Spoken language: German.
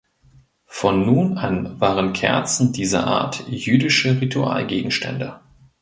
Von nun an waren Kerzen dieser Art jüdische Ritualgegenstände.